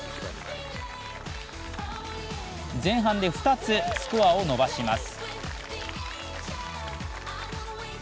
前半で２つスコアを伸ばします。